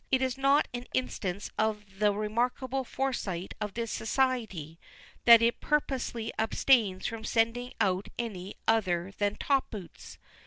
Is it not an instance of the remarkable foresight of this society, that it purposely abstains from sending out any other than top boots?